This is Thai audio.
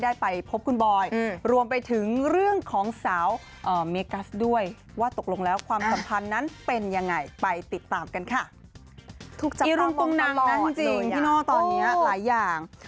อีรุงตรงนังนั่นจริงพี่โน่ตอนนี้หลายอย่าง